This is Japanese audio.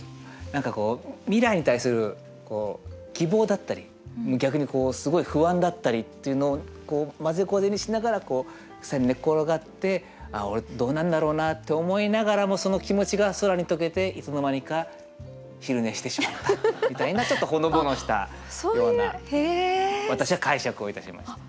何かこう未来に対する希望だったり逆にこうすごい不安だったりというのをこうまぜこぜにしながら草に寝っ転がって「ああ俺どうなんだろうな」って思いながらもその気持ちが空に溶けていつの間にか昼寝してしまったみたいなちょっとほのぼのしたような私は解釈をいたしました。